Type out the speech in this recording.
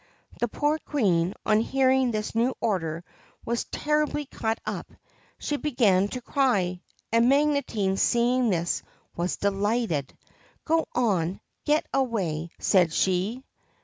The poor Queen, on hearing this new order, was terribly cut up. She began to cry ; and Magotine, seeing this, was delighted. ' Go on, get away I ' said she.